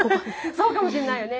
そうかもしれないよね。